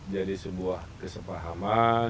jadi sebuah kesepahaman